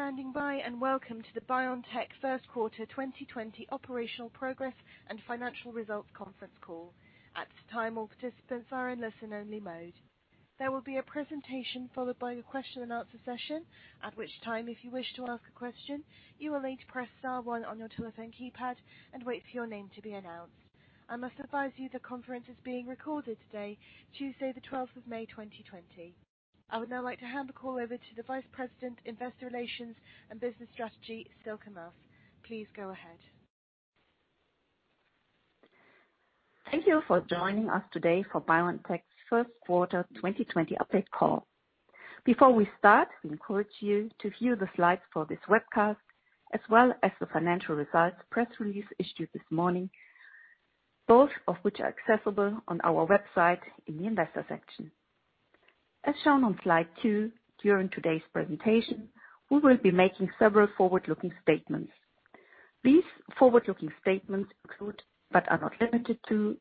Thank you for standing by, and welcome to the BioNTech First Quarter 2020 Operational Progress and Financial Results conference call. At this time, all participants are in listen-only mode. There will be a presentation followed by a question and answer session, at which time, if you wish to ask a question, you will need to press star one on your telephone keypad and wait for your name to be announced. I must advise you, the conference is being recorded today, Tuesday May 12th 2020. I would now like to hand the call over to the Vice President, Investor Relations and Business Strategy, Sylke Maas. Please go ahead. Thank you for joining us today for BioNTech's first quarter 2020 update call. Before we start, we encourage you to view the slides for this webcast, as well as the financial results press release issued this morning, both of which are accessible on our website in the investor section. As shown on slide two, during today's presentation, we will be making several forward-looking statements. These forward-looking statements include, but are not limited to,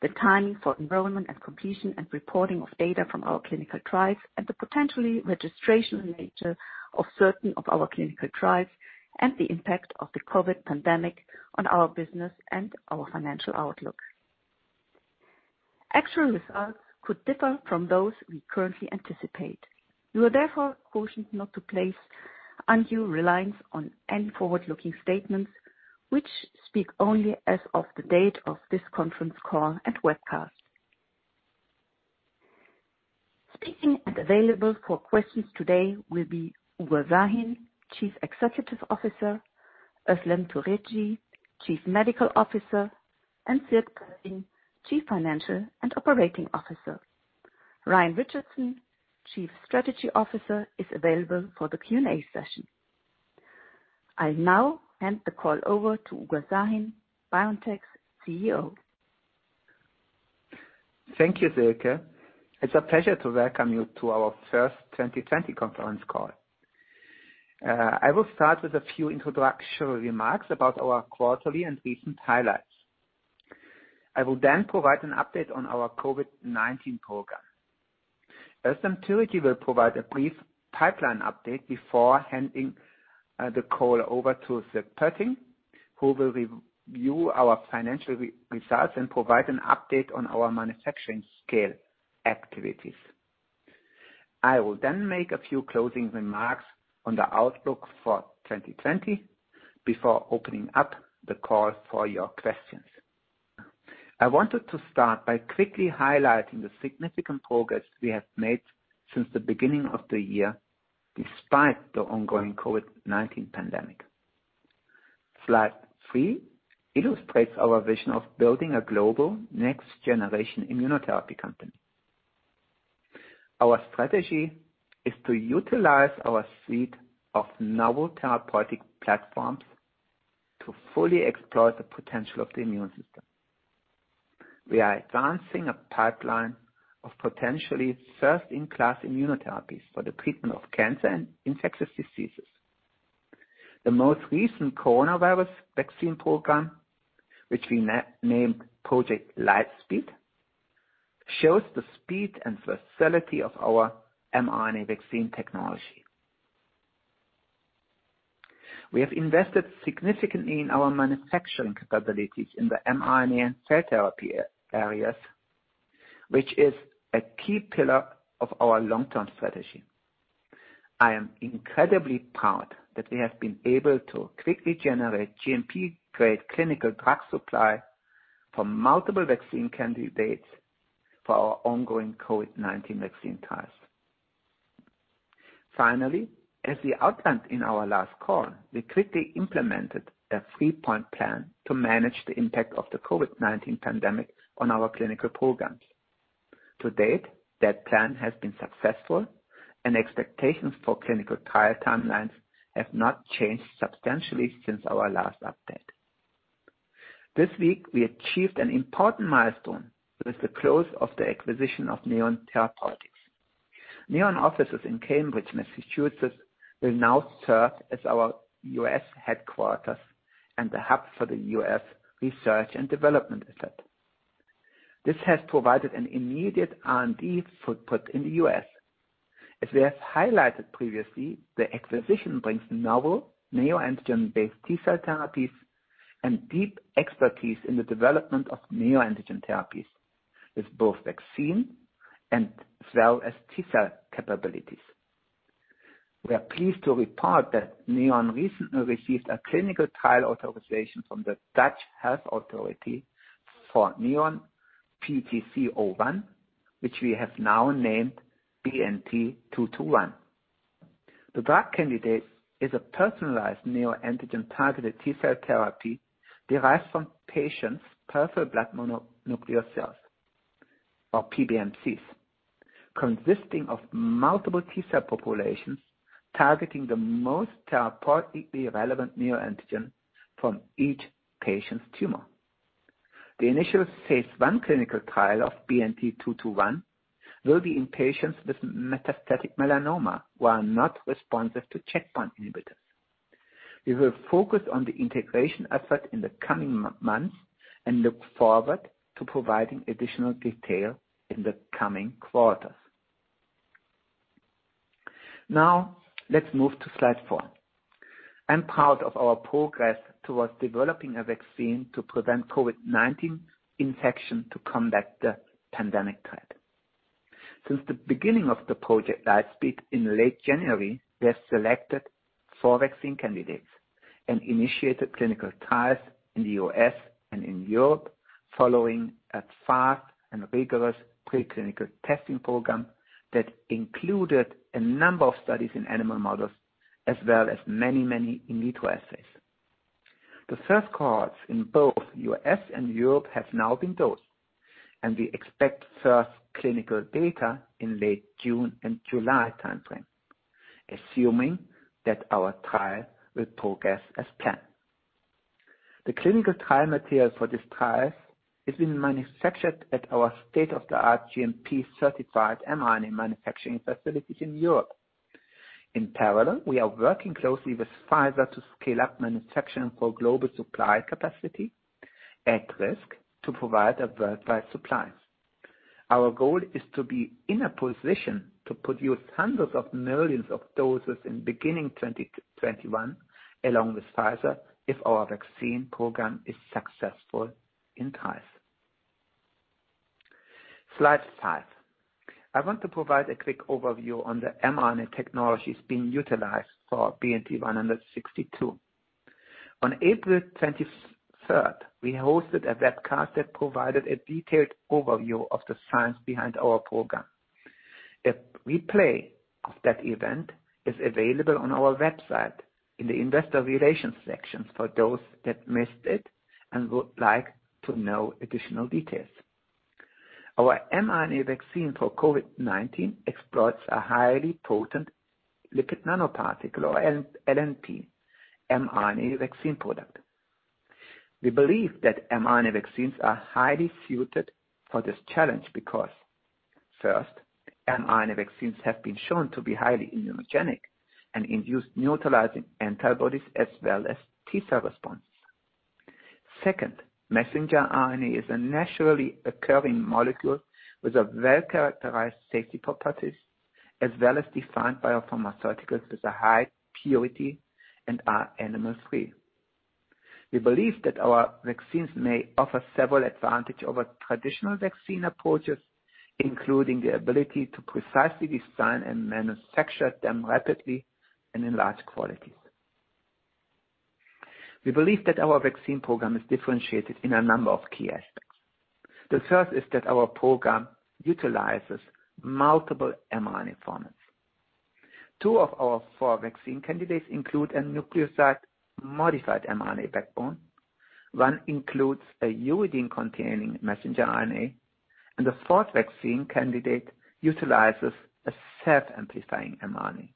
the timing for enrollment and completion and reporting of data from our clinical trials and the potentially registrational nature of certain of our clinical trials and the impact of the COVID pandemic on our business and our financial outlook. Actual results could differ from those we currently anticipate. You are therefore cautioned not to place undue reliance on any forward-looking statements which speak only as of the date of this conference call and webcast. Speaking and available for questions today will be Uğur Şahin, Chief Executive Officer, Özlem Türeci, Chief Medical Officer, and Sierk Pötting, Chief Financial and Operating Officer. Ryan Richardson, Chief Strategy Officer, is available for the Q&A session. I'll now hand the call over to Uğur Şahin, BioNTech's CEO. Thank you, Sylke. It's a pleasure to welcome you to our first 2020 conference call. I will start with a few introductory remarks about our quarterly and recent highlights. I will then provide an update on our COVID-19 program. Özlem Türeci will provide a brief pipeline update before handing the call over to Sierk Pötting, who will review our financial results and provide an update on our manufacturing scale activities. I will then make a few closing remarks on the outlook for 2020 before opening up the call for your questions. I wanted to start by quickly highlighting the significant progress we have made since the beginning of the year, despite the ongoing COVID-19 pandemic. Slide three illustrates our vision of building a global next generation immunotherapy company. Our strategy is to utilize our suite of novel therapeutic platforms to fully explore the potential of the immune system. We are advancing a pipeline of potentially first in class immunotherapies for the treatment of cancer and infectious diseases. The most recent coronavirus vaccine program, which we named Project Lightspeed, shows the speed and facility of our mRNA vaccine technology. We have invested significantly in our manufacturing capabilities in the mRNA and cell therapy areas, which is a key pillar of our long-term strategy. I am incredibly proud that we have been able to quickly generate GMP-grade clinical drug supply for multiple vaccine candidates for our ongoing COVID-19 vaccine trials. Finally, as we outlined in our last call, we quickly implemented a three-point plan to manage the impact of the COVID-19 pandemic on our clinical programs. To date, that plan has been successful, and expectations for clinical trial timelines have not changed substantially since our last update. This week, we achieved an important milestone with the close of the acquisition of Neon Therapeutics. Neon offices in Cambridge, Massachusetts, will now serve as our U.S. headquarters and the hub for the U.S. research and development effort. This has provided an immediate R&D footprint in the U.S. As we have highlighted previously, the acquisition brings novel neoantigen-based T-cell therapies and deep expertise in the development of neoantigen therapies with both vaccine and T-cell capabilities. We are pleased to report that Neon recently received a clinical trial authorization from the Dutch Health Authority for NEO-PTC-01, which we have now named BNT221. The drug candidate is a personalized neoantigen targeted T-cell therapy derived from patients' peripheral blood mononuclear cells, or PBMCs, consisting of multiple T-cell populations targeting the most therapeutically relevant neoantigen from each patient's tumor. The initial phase I clinical trial of BNT221 will be in patients with metastatic melanoma who are not responsive to checkpoint inhibitors. We will focus on the integration aspect in the coming months and look forward to providing additional detail in the coming quarters. Now let's move to slide four. I'm proud of our progress towards developing a vaccine to prevent COVID-19 infection to combat the pandemic threat. Since the beginning of Project Lightspeed, in late January, we have selected four vaccine candidates and initiated clinical trials in the U.S. and in Europe, following a fast and rigorous preclinical testing program that included a number of studies in animal models as well as many in vitro assays. The first cohorts in both U.S. and Europe have now been dosed, and we expect first clinical data in late June and July timeframe, assuming that our trial will progress as planned. The clinical trial material for this trial has been manufactured at our state-of-the-art GMP-certified mRNA manufacturing facilities in Europe. In parallel, we are working closely with Pfizer to scale up manufacturing for global supply capacity at risk to provide a worldwide supply. Our goal is to be in a position to produce hundreds of millions of doses in beginning 2021, along with Pfizer, if our vaccine program is successful in trials. Slide five. I want to provide a quick overview on the mRNA technologies being utilized for BNT162. On April 23rd, we hosted a webcast that provided a detailed overview of the science behind our program. A replay of that event is available on our website in the investor relations section for those that missed it and would like to know additional details. Our mRNA vaccine for COVID-19 exploits a highly potent lipid nanoparticle, or LNP, mRNA vaccine product. We believe that mRNA vaccines are highly suited for this challenge because, first, mRNA vaccines have been shown to be highly immunogenic and induce neutralizing antibodies as well as T cell response. Second, messenger RNA is a naturally occurring molecule with a well-characterized safety properties, as well as defined biopharmaceuticals with a high purity and are animal free. We believe that our vaccines may offer several advantage over traditional vaccine approaches, including the ability to precisely design and manufacture them rapidly and in large quantities. We believe that our vaccine program is differentiated in a number of key aspects. The first is that our program utilizes multiple mRNA formats. Two of our four vaccine candidates include a nucleoside modified mRNA backbone, one includes a uridine-containing messenger RNA, and the fourth vaccine candidate utilizes a self-amplifying mRNA.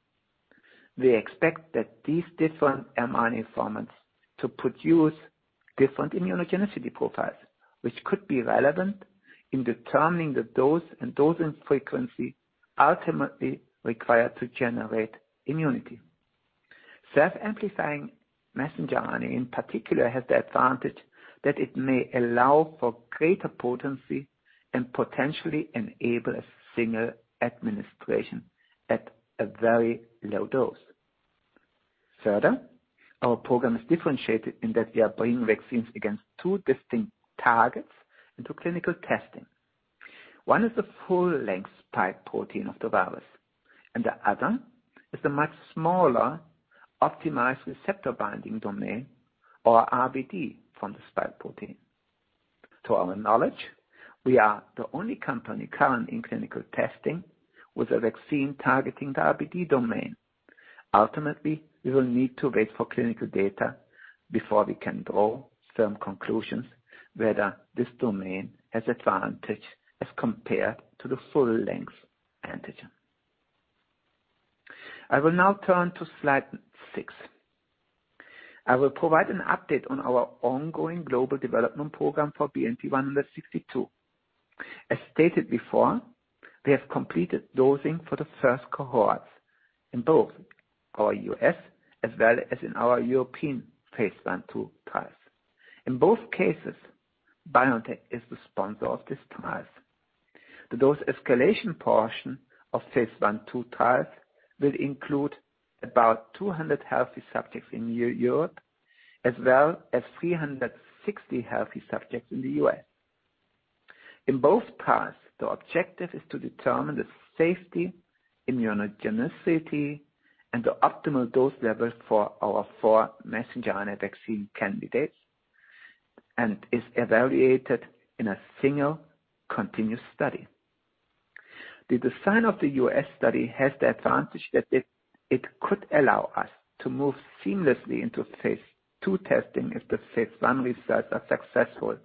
We expect that these different mRNA formats to produce different immunogenicity profiles, which could be relevant in determining the dose and dosing frequency ultimately required to generate immunity. Self-amplifying messenger RNA, in particular, has the advantage that it may allow for greater potency and potentially enable a single administration at a very low dose. Further, our program is differentiated in that we are bringing vaccines against two distinct targets into clinical testing. One is the full length spike protein of the virus, and the other is a much smaller optimized receptor-binding domain, or RBD, from the spike protein. To our knowledge, we are the only company currently in clinical testing with a vaccine targeting the RBD domain. Ultimately, we will need to wait for clinical data before we can draw firm conclusions whether this domain has advantage as compared to the full length antigen. I will now turn to slide six. I will provide an update on our ongoing global development program for BNT162. As stated before, we have completed dosing for the first cohorts in both our U.S. as well as in our European phase I/II trials. In both cases, BioNTech is the sponsor of these trials. The dose escalation portion of phase I/II trials will include about 200 healthy subjects in Europe, as well as 360 healthy subjects in the U.S. In both trials, the objective is to determine the safety, immunogenicity, and the optimal dose levels for our four messenger RNA vaccine candidates, and is evaluated in a single continuous study. The design of the U.S. study has the advantage that it could allow us to move seamlessly into phase II testing if the phase I results are successful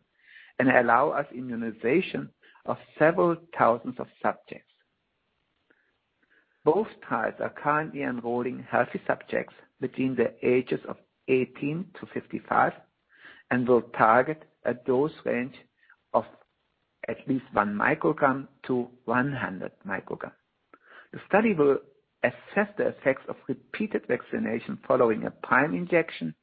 and allow us immunization of several thousands of subjects. Both trials are currently enrolling healthy subjects between the ages of 18 to 55 and will target a dose range of at least 1 μg-100 μg. The study will assess the effects of repeated vaccination following a prime injection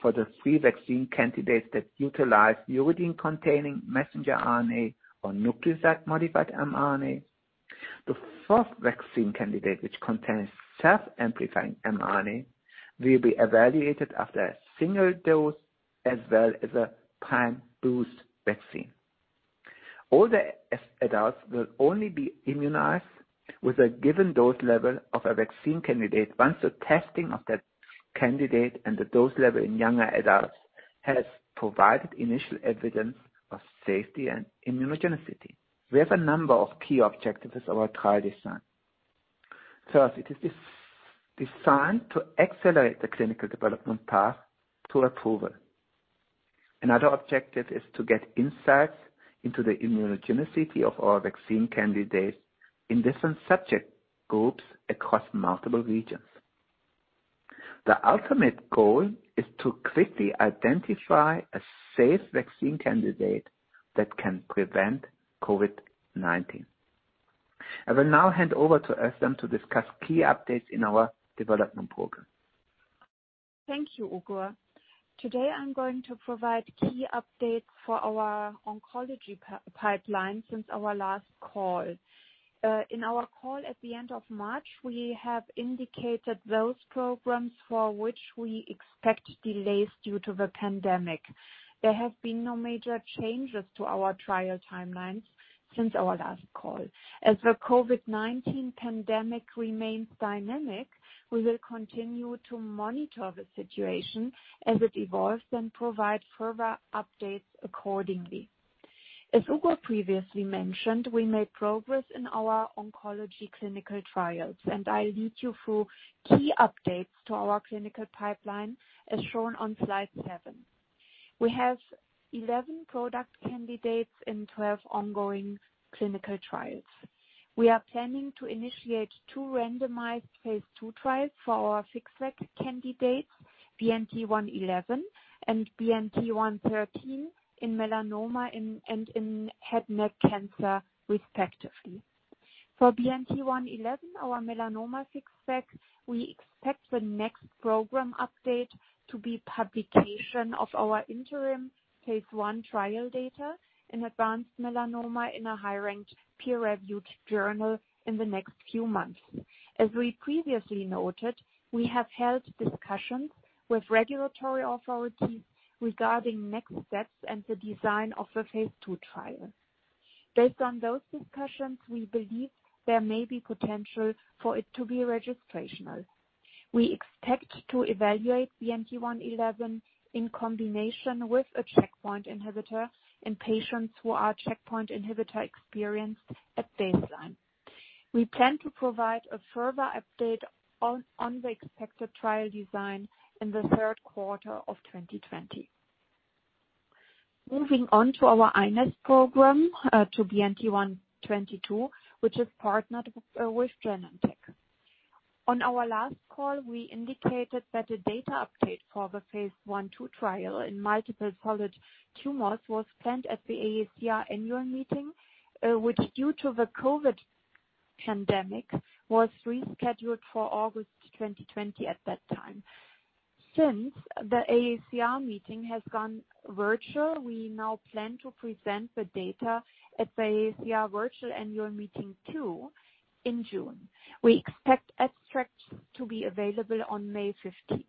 for the three vaccine candidates that utilize uridine-containing messenger RNA or nucleoside modified mRNA. The fourth vaccine candidate, which contains self-amplifying mRNA, will be evaluated after a single dose as well as a prime boost vaccine. Older adults will only be immunized with a given dose level of a vaccine candidate once the testing of that candidate and the dose level in younger adults has provided initial evidence of safety and immunogenicity. We have a number of key objectives of our trial design. First, it is designed to accelerate the clinical development path to approval. Another objective is to get insights into the immunogenicity of our vaccine candidates in different subject groups across multiple regions. The ultimate goal is to quickly identify a safe vaccine candidate that can prevent COVID-19. I will now hand over to Özlem to discuss key updates in our development program. Thank you, Uğur. Today I'm going to provide key updates for our oncology pipeline since our last call. In our call at the end of March, we have indicated those programs for which we expect delays due to the pandemic. There have been no major changes to our trial timelines since our last call. As the COVID-19 pandemic remains dynamic, we will continue to monitor the situation as it evolves and provide further updates accordingly. As Ugur previously mentioned, we made progress in our oncology clinical trials. I'll lead you through key updates to our clinical pipeline as shown on slide seven. We have 11 product candidates in 12 ongoing clinical trials. We are planning to initiate two randomized phase II trials for our FixVac candidates, BNT111 and BNT113 in melanoma and in head neck cancer, respectively. For BNT111, our melanoma FixVac, we expect the next program update to be publication of our interim phase I trial data in advanced melanoma in a high-ranked peer-reviewed journal in the next few months. As we previously noted, we have held discussions with regulatory authorities regarding next steps and the design of the phase II trial. Based on those discussions, we believe there may be potential for it to be registrational. We expect to evaluate BNT111 in combination with a checkpoint inhibitor in patients who are checkpoint inhibitor experienced at baseline. We plan to provide a further update on the expected trial design in the third quarter of 2020. Moving on to our iNeST program, to BNT122, which is partnered with Genentech. On our last call, we indicated that a data update for the phase I/II trial in multiple solid tumors was planned at the AACR annual meeting, which due to the COVID pandemic, was rescheduled for August 2020 at that time. Since the AACR meeting has gone virtual, we now plan to present the data at the AACR Virtual Annual Meeting II in June. We expect extracts to be available on May 15th.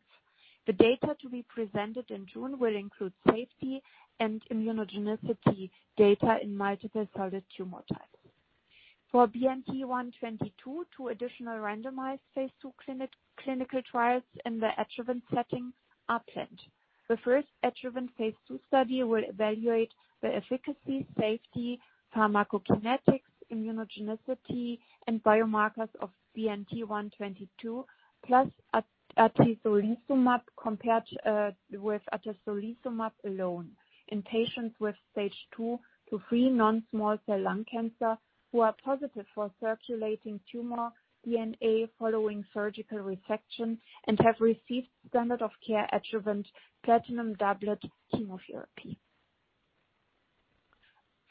The data to be presented in June will include safety and immunogenicity data in multiple solid tumor types. For BNT122, two additional randomized phase II clinical trials in the adjuvant setting are planned. The first adjuvant phase II study will evaluate the efficacy, safety, pharmacokinetics, immunogenicity, and biomarkers of BNT122, plus atezolizumab compared with atezolizumab alone in patients with Stage II to Stage III non-small cell lung cancer who are positive for circulating tumor DNA following surgical resection and have received standard of care adjuvant platinum doublet chemotherapy.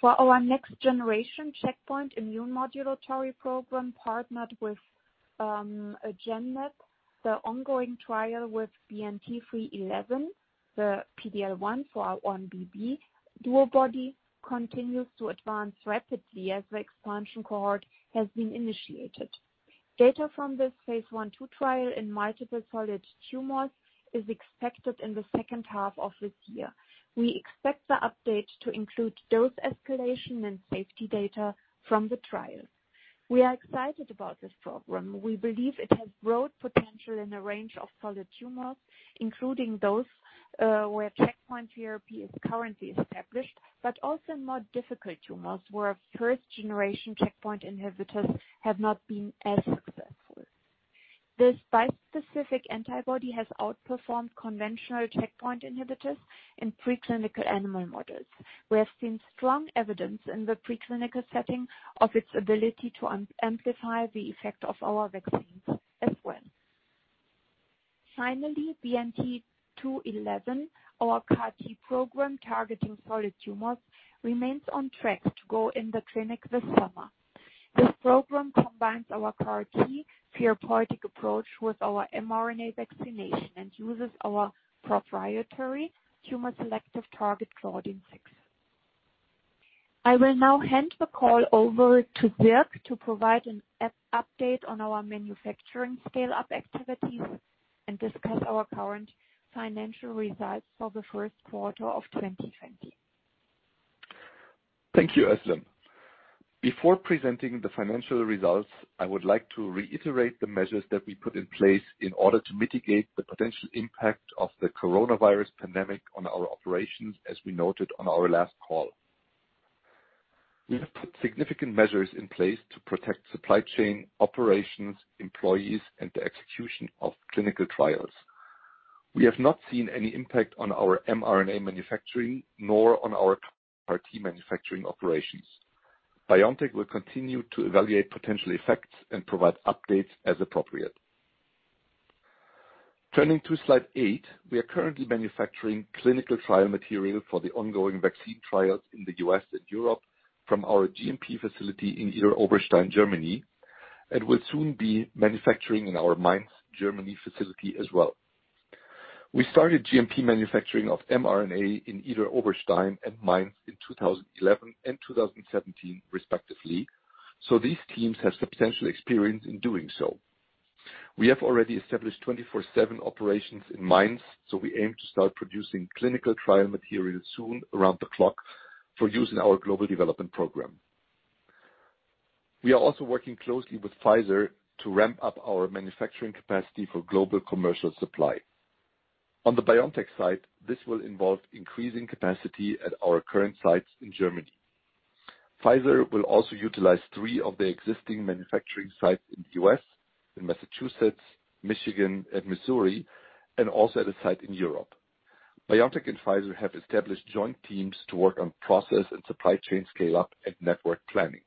For our next generation checkpoint immunomodulatory program partnered with Genentech, the ongoing trial with BNT311, the PD-L1x4-1BB DuoBody continues to advance rapidly as the expansion cohort has been initiated. Data from this phase I/II trial in multiple solid tumors is expected in the second half of this year. We expect the update to include dose escalation and safety data from the trial. We are excited about this program. We believe it has broad potential in a range of solid tumors, including those where checkpoint therapy is currently established, but also more difficult tumors where first generation checkpoint inhibitors have not been as successful. This bispecific antibody has outperformed conventional checkpoint inhibitors in preclinical animal models. We have seen strong evidence in the preclinical setting of its ability to amplify the effect of our vaccine. Finally, BNT211, our CAR-T program targeting solid tumors, remains on track to go in the clinic this summer. This program combines our CAR-T therapeutic approach with our mRNA vaccination and uses our proprietary tumor selective target, Claudin-6. I will now hand the call over to Sierk to provide an update on our manufacturing scale-up activities and discuss our current financial results for the first quarter of 2020. Thank you, Özlem. Before presenting the financial results, I would like to reiterate the measures that we put in place in order to mitigate the potential impact of the coronavirus pandemic on our operations, as we noted on our last call. We have put significant measures in place to protect supply chain, operations, employees, and the execution of clinical trials. We have not seen any impact on our mRNA manufacturing, nor on our CAR-T manufacturing operations. BioNTech will continue to evaluate potential effects and provide updates as appropriate. Turning to slide eight, we are currently manufacturing clinical trial material for the ongoing vaccine trials in the U.S. and Europe from our GMP facility in Idar-Oberstein, Germany, and will soon be manufacturing in our Mainz, Germany facility as well. We started GMP manufacturing of mRNA in Idar-Oberstein and Mainz in 2011 and 2017 respectively, so these teams have substantial experience in doing so. We have already established 24/7 operations in Mainz, so we aim to start producing clinical trial material soon around the clock for use in our global development program. We are also working closely with Pfizer to ramp up our manufacturing capacity for global commercial supply. On the BioNTech side, this will involve increasing capacity at our current sites in Germany. Pfizer will also utilize three of their existing manufacturing sites in the U.S., in Massachusetts, Michigan, and Missouri, and also at a site in Europe. BioNTech and Pfizer have established joint teams to work on process and supply chain scale-up and network planning.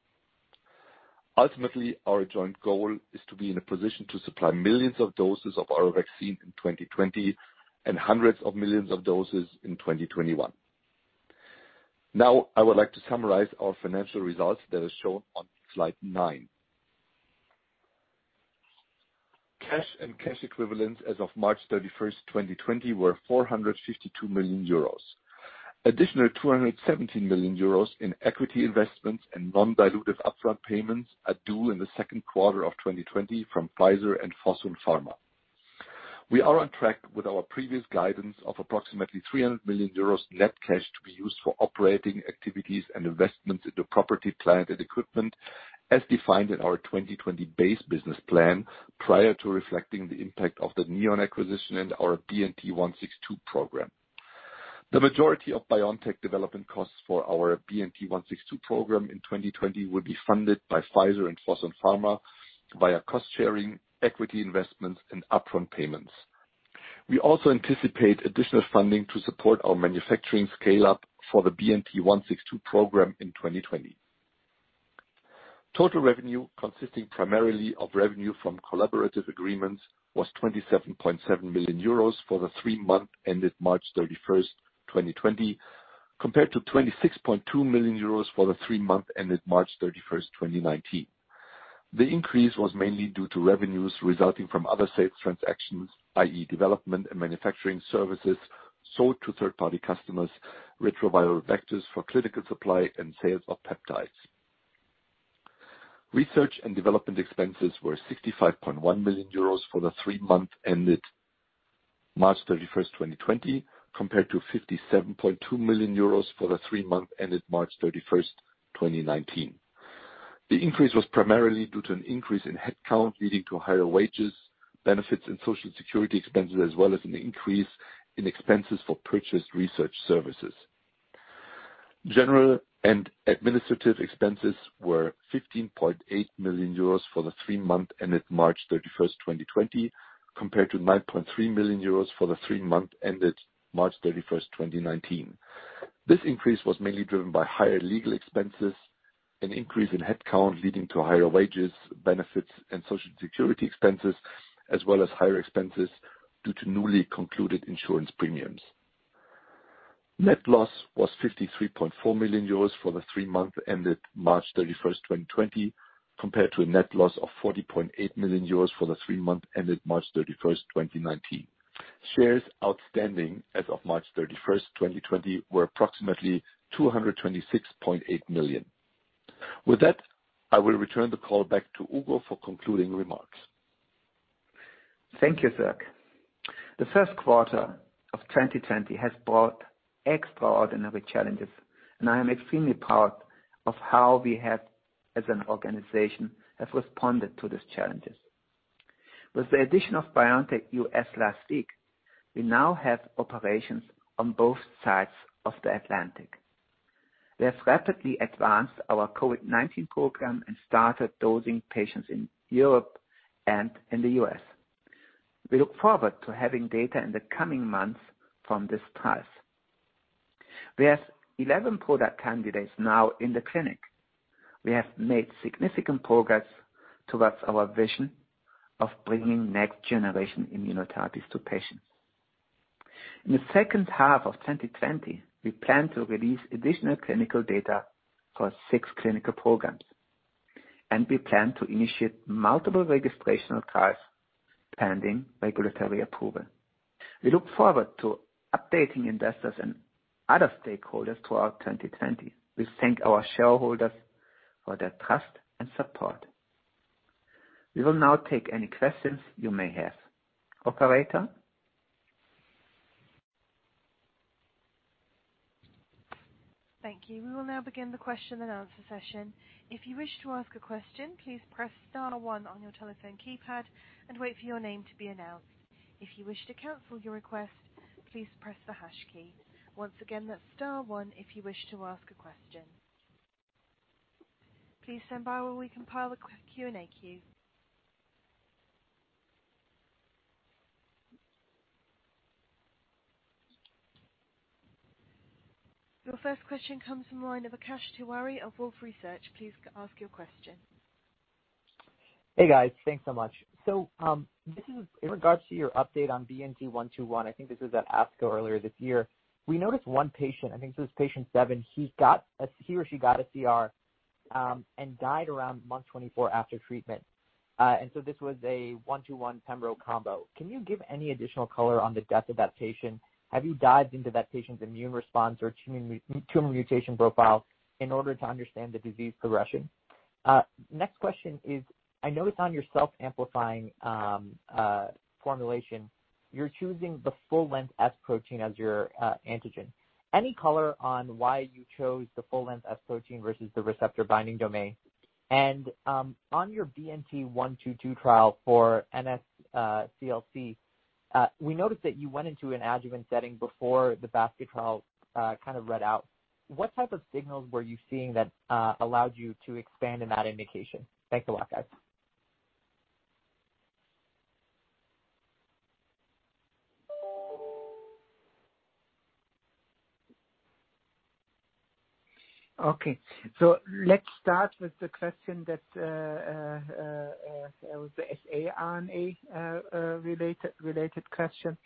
Ultimately, our joint goal is to be in a position to supply millions of doses of our vaccine in 2020, and hundreds of millions of doses in 2021. Now, I would like to summarize our financial results that is shown on slide nine. Cash and cash equivalents as of March 31st, 2020, were 452 million euros. Additional 217 million euros in equity investments and non-dilutive upfront payments are due in the second quarter of 2020 from Pfizer and Fosun Pharma. We are on track with our previous guidance of approximately 300 million euros net cash to be used for operating activities and investments into property, plant, and equipment as defined in our 2020 base business plan, prior to reflecting the impact of the Neon acquisition and our BNT162 program. The majority of BioNTech development costs for our BNT162 program in 2020 will be funded by Pfizer and Fosun Pharma via cost sharing, equity investments, and upfront payments. We also anticipate additional funding to support our manufacturing scale-up for the BNT162 program in 2020. Total revenue, consisting primarily of revenue from collaborative agreements, was 27.7 million euros for the three months ended March 31st, 2020, compared to 26.2 million euros for the three months ended March 31st, 2019. The increase was mainly due to revenues resulting from other sales transactions, i.e., development and manufacturing services sold to third-party customers, retroviral vectors for clinical supply, and sales of peptides. Research and development expenses were 65.1 million euros for the three months ended March 31st, 2020, compared to 57.2 million euros for the three months ended March 31st, 2019. The increase was primarily due to an increase in headcount, leading to higher wages, benefits, and social security expenses, as well as an increase in expenses for purchased research services. General and administrative expenses were 15.8 million euros for the three months ended March 31st, 2020, compared to 9.3 million euros for the three months ended March 31st, 2019. This increase was mainly driven by higher legal expenses, an increase in headcount leading to higher wages, benefits, and social security expenses, as well as higher expenses due to newly concluded insurance premiums. Net loss was 53.4 million euros for the three months ended March 31st, 2020, compared to a net loss of 40.8 million euros for the three months ended March 31st, 2019. Shares outstanding as of March 31st, 2020, were approximately 226.8 million. With that, I will return the call back to Uğur for concluding remarks. Thank you, Sierk. The first quarter of 2020 has brought extraordinary challenges, and I am extremely proud of how we as an organization have responded to these challenges. With the addition of BioNTech US last week, we now have operations on both sides of the Atlantic. We have rapidly advanced our COVID-19 program and started dosing patients in Europe and in the U.S. We look forward to having data in the coming months from these trials. We have 11 product candidates now in the clinic. We have made significant progress towards our vision of bringing next-generation immunotherapies to patients. In the second half of 2020, we plan to release additional clinical data for six clinical programs, and we plan to initiate multiple registrational trials pending regulatory approval. We look forward to updating investors and other stakeholders throughout 2020. We thank our shareholders for their trust and support. We will now take any questions you may have. Operator? Thank you. We will now begin the question and answer session. If you wish to ask a question, please press star one on your telephone keypad and wait for your name to be announced. If you wish to cancel your request, please press the hash key. Once again, that's star one if you wish to ask a question. Please stand by while we compile the Q&A queue. Your first question comes from the line of Akash Tewari of Wolfe Research. Please ask your question. Hey, guys. Thanks so much. This is in regards to your update on BNT121. I think this was at AACR earlier this year. We noticed one patient, I think this is Patient 7, he or she got a CR, and died around month 24 after treatment. This was a BNT121 pembrolizumab combo. Can you give any additional color on the death of that patient? Have you dived into that patient's immune response or tumor mutation profile in order to understand the disease progression? Next question is, I noticed on your self-amplifying formulation, you're choosing the full-length spike protein as your antigen. Any color on why you chose the full-length spike protein versus the receptor-binding domain? On your BNT122 trial for NSCLC, we noticed that you went into an adjuvant setting before the basket trial kind of read out. What type of signals were you seeing that allowed you to expand in that indication? Thanks a lot, guys. Okay. Let's start with the question that was saRNA related question.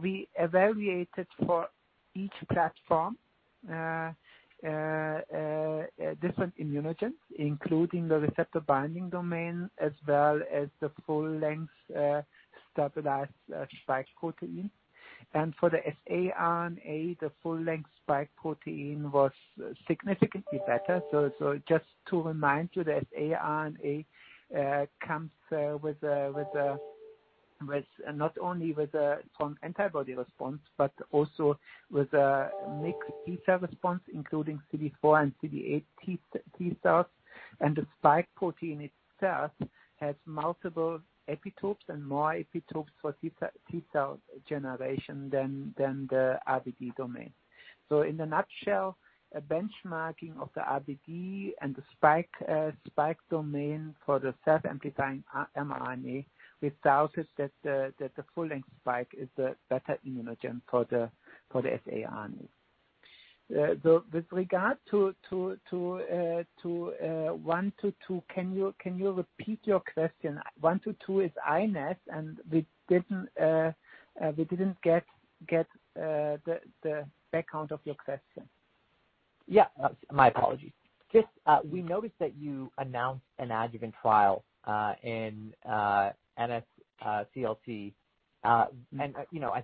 We evaluated for each platform, different immunogens, including the receptor binding domain as well as the full length, stabilized, spike protein. For the saRNA, the full length spike protein was significantly better. Just to remind you that saRNA comes not only with some antibody response, but also with a mixed T-cell response, including CD4 and CD8 T-cells. The spike protein itself has multiple epitopes and more epitopes for T-cell generation than the RBD domain. In a nutshell, a benchmarking of the RBD and the spike domain for the self-amplifying mRNA, we found that the full-length spike is a better immunogen for the saRNA. With regard to one, two, can you repeat your question? One, two is iNeST, and we didn't get the background of your question. Yeah. My apologies. Just, we noticed that you announced an adjuvant trial, in NSCLC. I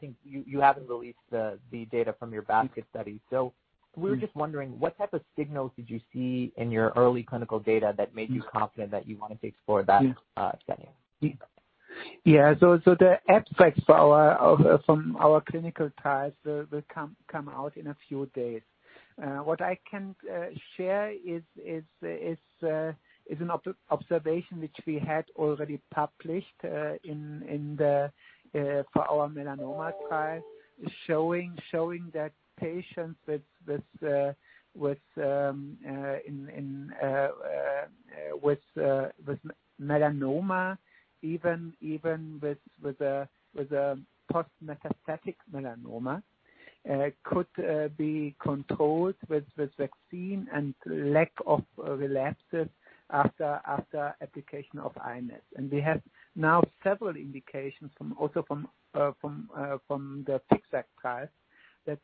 think you haven't released the data from your basket study. We were just wondering, what type of signals did you see in your early clinical data that made you confident that you wanted to explore that setting? Yeah. The abstract from our clinical trials will come out in a few days. What I can share is an observation which we had already published for our melanoma trial, showing that patients with melanoma, even with post-metastatic melanoma, could be controlled with vaccine and lack of relapses after application of iNeST. We have now several indications also from the FixVac trial that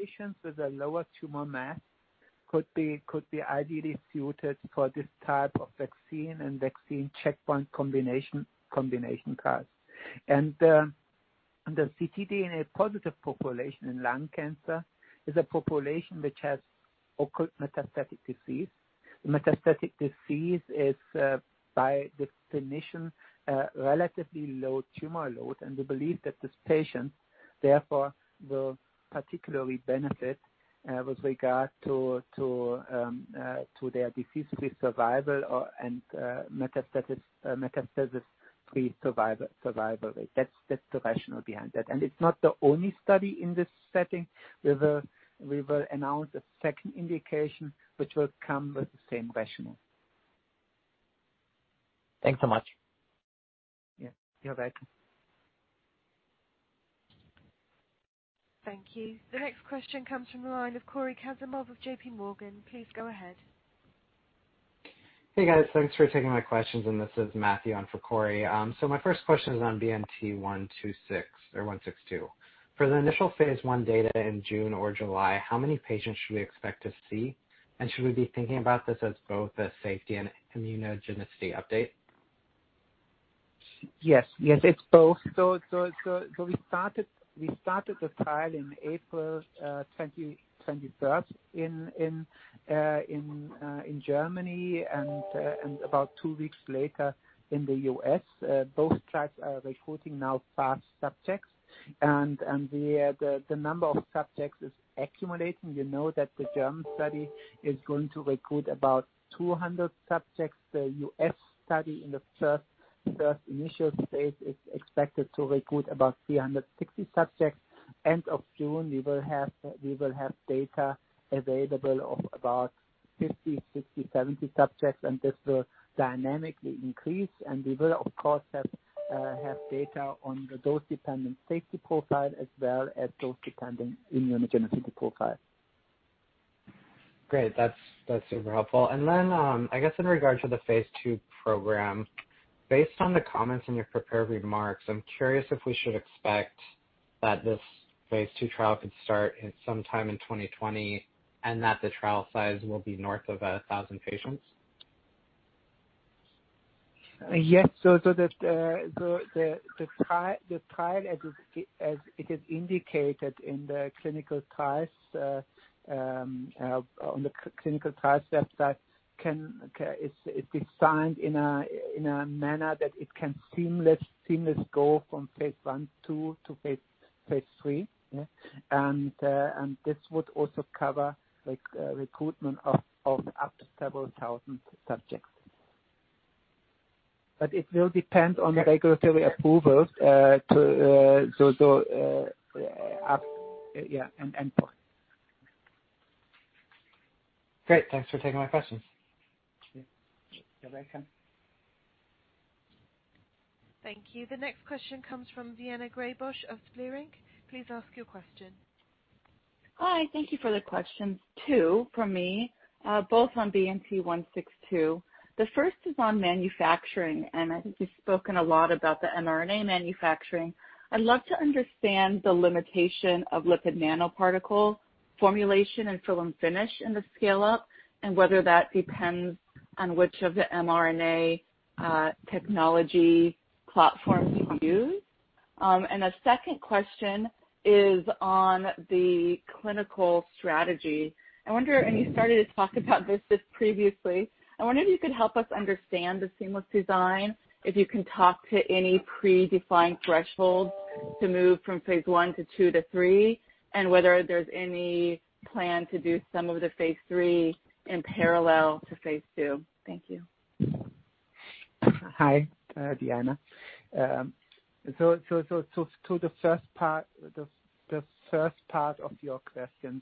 patients with a lower tumor mass could be ideally suited for this type of vaccine and vaccine checkpoint combination trials. The ctDNA-positive population in lung cancer is a population which has occult metastatic disease. Metastatic disease is, by definition, a relatively low tumor load, and we believe that this patient, therefore, will particularly benefit with regard to their disease-free survival and metastasis-free survival rate. That's the rationale behind that. It's not the only study in this setting. We will announce a second indication which will come with the same rationale. Thanks so much. Yeah. You're welcome. Thank you. The next question comes from the line of Cory Kasimov of JPMorgan. Please go ahead. Hey, guys. Thanks for taking my questions. This is Matthew on for Cory. My first question is on BNT126 or 162. For the initial phase I data in June or July, how many patients should we expect to see? Should we be thinking about this as both a safety and immunogenicity update? Yes. It's both. We started the trial in April 2020 in Germany and about two weeks later in the U.S. Both trials are recruiting now first subjects and the number of subjects is accumulating. You know that the German study is going to recruit about 200 subjects. The U.S. study in the first initial phase is expected to recruit about 360 subjects. End of June, we will have data available of about 50, 60, 70 subjects, and this will dynamically increase. We will, of course, have data on the dose-dependent safety profile as well as dose-dependent immunogenicity profile. Great. That's super helpful. I guess in regards to the phase II program, based on the comments in your prepared remarks, I'm curious if we should expect that this phase II trial could start sometime in 2020 and that the trial size will be north of 1,000 patients. Yes. The trial, as it is indicated on the clinical trials website, it's designed in a manner that it can seamlessly go from phase I, phase II to phase III. This would also cover recruitment of up to several thousand subjects. It will depend on regulatory approvals, so, up endpoint. Great. Thanks for taking my questions. Yeah. You're welcome. Thank you. The next question comes from Daina Graybosch of Leerink. Please ask your question. Hi. Thank you for the questions, two from me, both on BNT162. The first is on manufacturing, and I think you've spoken a lot about the mRNA manufacturing. I'd love to understand the limitation of lipid nanoparticle formulation and fill and finish in the scale-up and whether that depends on which of the mRNA technology platforms you use. A second question is on the clinical strategy. You started to talk about this previously. I wonder if you could help us understand the seamless design, if you can talk to any pre-defined thresholds to move from phase I to phase II to phase III, and whether there's any plan to do some of the phase III in parallel to phase II. Thank you. Hi, Daina. To the first part of your question.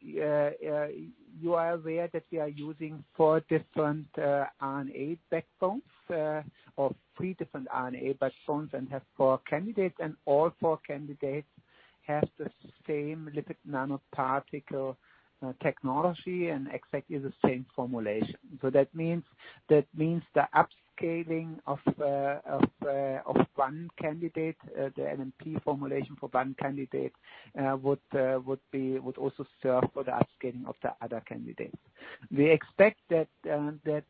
You are aware that we are using four different RNA backbones, or three different RNA backbones and have four candidates, and all four candidates have the same lipid nanoparticle technology and exactly the same formulation. That means the upscaling of one candidate, the LNP formulation for one candidate, would also serve for the upscaling of the other candidates. We expect that the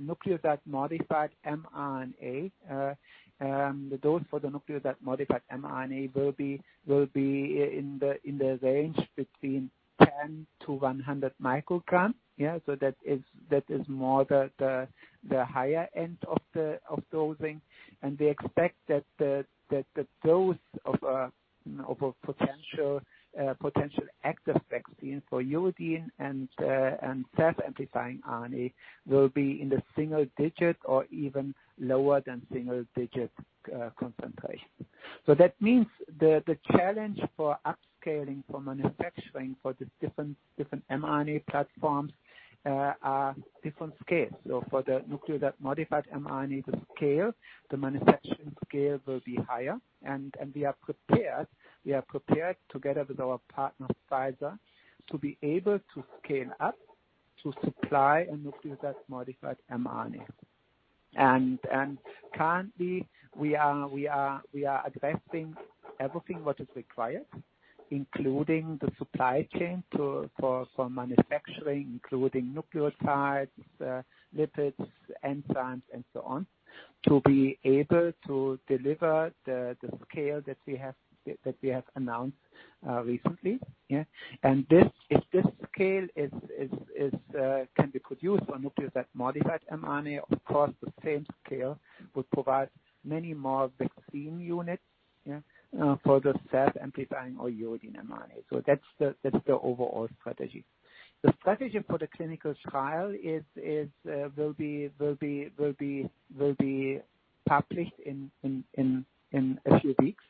nucleoside modified mRNA, the dose for the nucleoside modified mRNA will be in the range between 10 μg-100 μg. That is more the higher end of dosing. We expect that the dose of a potential active vaccine for uridine and self-amplifying RNA will be in the single-digit or even lower than single-digit concentration. That means the challenge for upscaling, for manufacturing for the different mRNA platforms are different scales. For the nucleoside-modified mRNA, the scale, the manufacturing scale will be higher. We are prepared together with our partner, Pfizer, to be able to scale up to supply a nucleoside-modified mRNA. Currently, we are addressing everything what is required, including the supply chain for manufacturing, including nucleotides, lipids, enzymes, and so on, to be able to deliver the scale that we have announced recently. If this scale can be produced for nucleoside-modified mRNA, of course, the same scale would provide many more vaccine units for the self-amplifying or uridine mRNA. That's the overall strategy. The strategy for the clinical trial will be published in a few weeks.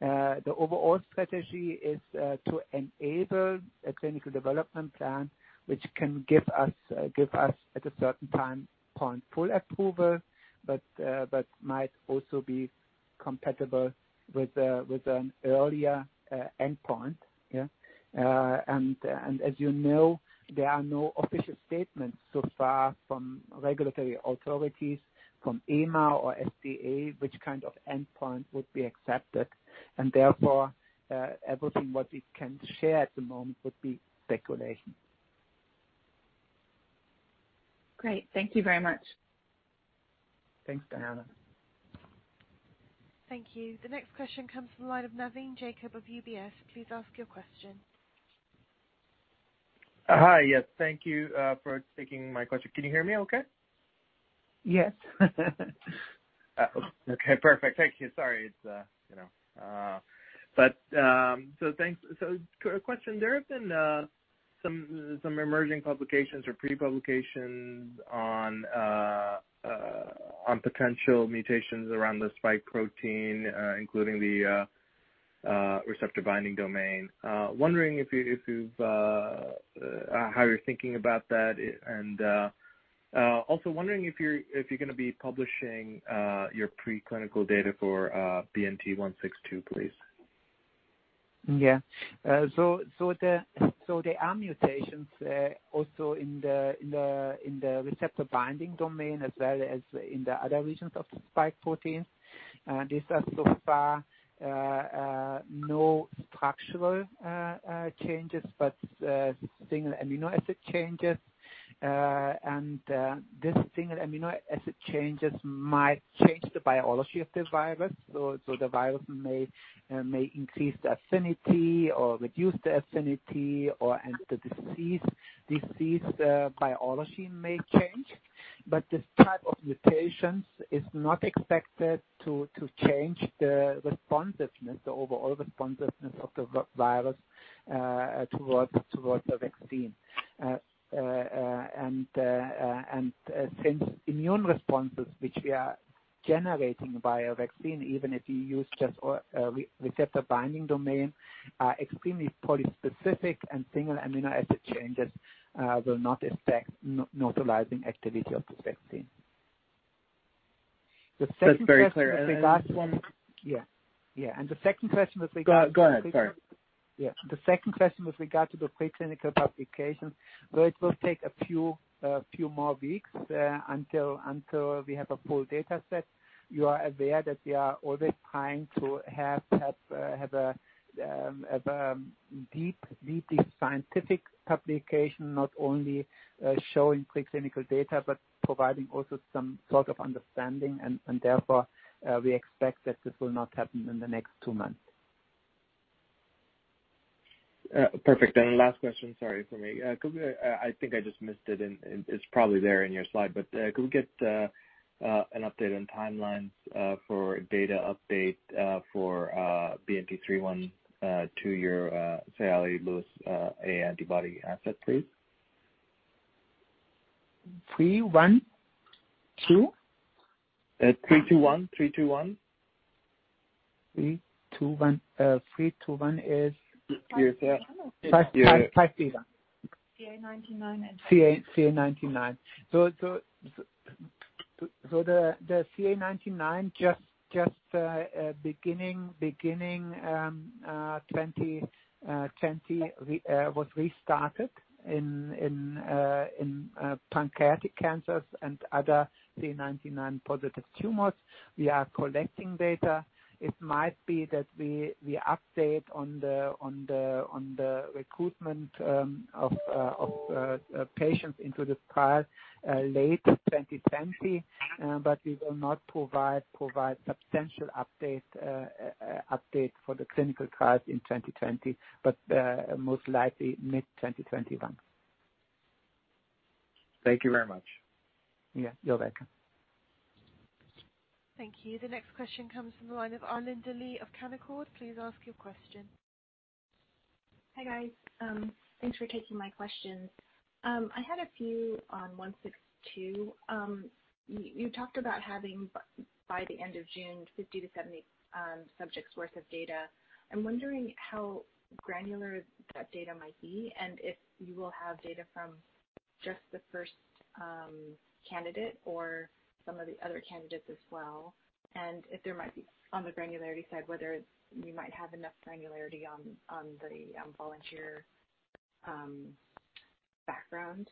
The overall strategy is to enable a clinical development plan which can give us, at a certain time point, full approval, but might also be compatible with an earlier endpoint. As you know, there are no official statements so far from regulatory authorities, from EMA or FDA, which kind of endpoint would be accepted. Therefore, everything what we can share at the moment would be speculation. Great. Thank you very much. Thanks, Daina. Thank you. The next question comes from the line of Navin Jacob of UBS. Please ask your question. Hi. Yes. Thank you for taking my question. Can you hear me okay? Yes. Okay, perfect. Thank you. Sorry. Thanks. Question, there have been some emerging publications or pre-publications on potential mutations around the spike protein, including the receptor binding domain. Wondering how you're thinking about that, and also wondering if you're going to be publishing your preclinical data for BNT162, please. Yeah. There are mutations also in the receptor binding domain, as well as in the other regions of the spike protein. These are so far no structural changes, but single amino acid changes. These single amino acid changes might change the biology of the virus. The virus may increase the affinity or reduce the affinity, and the disease biology may change. This type of mutation is not expected to change the responsiveness, the overall responsiveness of the virus towards the vaccine. Since immune responses, which we are generating via vaccine, even if you use just receptor binding domain, are extremely polyspecific and single amino acid changes will not affect neutralizing activity of this vaccine. The second question. That's very clear. The last one Yeah. The second question with regard to. Go ahead. Sorry. Yeah. The second question with regard to the preclinical publication, so it will take a few more weeks until we have a full data set. You are aware that we are always trying to have a deep scientific publication, not only showing preclinical data, but providing also some sort of understanding. Therefore, we expect that this will not happen in the next two months. Perfect. Last question, sorry, for me. Could we, I think I just missed it and it's probably there in your slide, but could we get an update on timelines for data update for BNT321, your sialyl Lewis A antibody asset, please? Three one two? Three two one. Three two one. Five three one. Five three one. CA19-9 antibody. CA19-9. The CA19-9 just beginning 2020 was restarted in pancreatic cancers and other CA19-9 positive tumors. We are collecting data. It might be that we update on the recruitment of patients into this trial late 2020. We will not provide substantial update for the clinical trials in 2020, but most likely mid 2021. Thank you very much. Yeah. You're welcome. Thank you. The next question comes from the line of Arlinda Lee of Canaccord. Please ask your question. Hi, guys. Thanks for taking my questions. I had a few on BNT162. You talked about having, by the end of June, 50-70 subjects worth of data. I'm wondering how granular that data might be, and if you will have data from just the first candidate or some of the other candidates as well. If there might be, on the granularity side, whether you might have enough granularity on the volunteer background.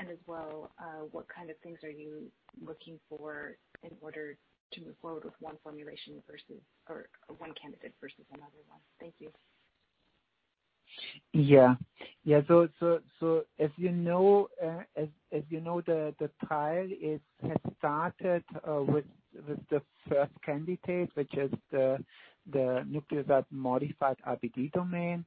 As well, what kind of things are you looking for in order to move forward with one formulation versus or one candidate versus another one? Thank you. As you know, the trial had started with the first candidate, which is the nucleoside-modified RBD domain.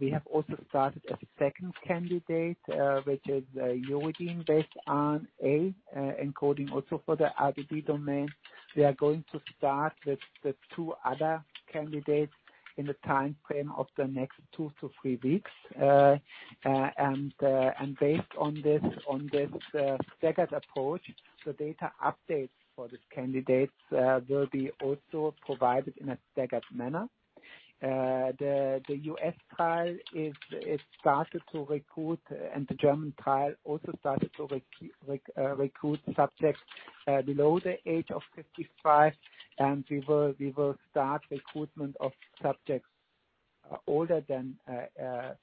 We have also started a second candidate, which is a uridine-based RNA, encoding also for the RBD domain. We are going to start with the two other candidates in the timeframe of the next two to three weeks. Based on this staggered approach, the data updates for these candidates will be also provided in a staggered manner. The U.S. trial started to recruit, and the German trial also started to recruit subjects below the age of 55, and we will start recruitment of subjects older than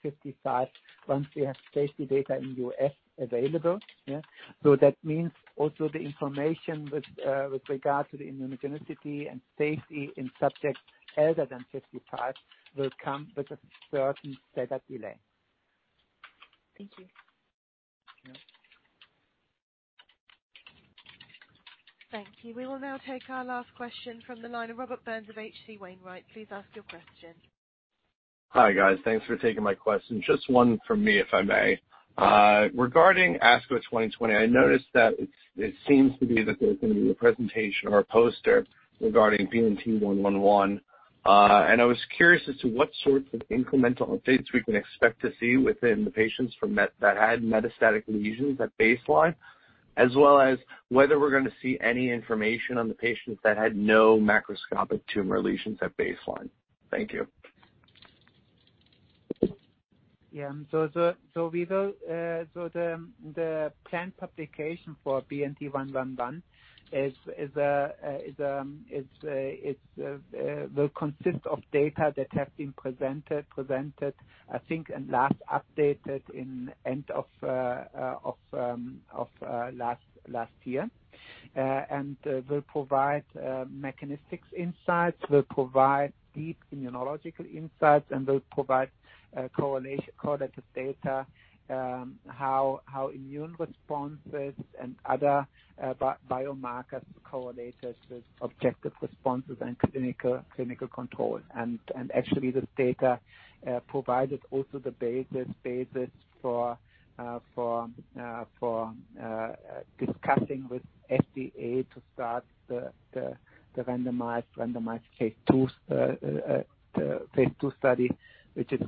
55 once we have safety data in the U.S. available. That means also the information with regard to the immunogenicity and safety in subjects older than 55 will come with a certain data delay. Thank you. Yeah. Thank you. We will now take our last question from the line of Robert Burns of H.C. Wainwright. Please ask your question. Hi, guys. Thanks for taking my question. Just one from me, if I may. Regarding ASCO 2020, I noticed that it seems to be that there's going to be a presentation or a poster regarding BNT111, and I was curious as to what sorts of incremental updates we can expect to see within the patients that had metastatic lesions at baseline, as well as whether we're going to see any information on the patients that had no macroscopic tumor lesions at baseline. Thank you. The planned publication for BNT111 will consist of data that have been presented, I think, and last updated in end of last year, and will provide mechanistic insights, will provide deep immunological insights, and will provide correlative data, how immune responses and other biomarkers correlated with objective responses and clinical control. Actually, this data provided also the basis for discussing with FDA to start the randomized phase II study, which is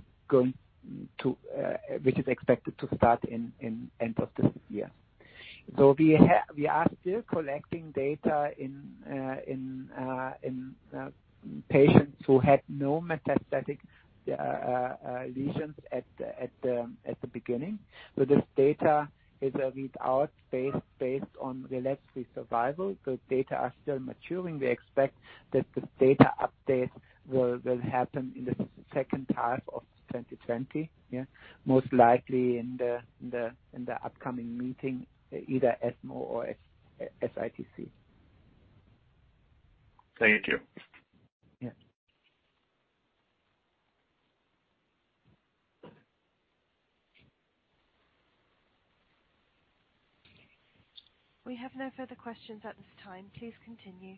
expected to start in end of this year. We are still collecting data in patients who had no metastatic lesions at the beginning. This data is a readout based on relapse-free survival. Data are still maturing. We expect that this data update will happen in the second half of 2020. Most likely in the upcoming meeting, either ESMO or SITC. Thank you. Yeah. We have no further questions at this time. Please continue.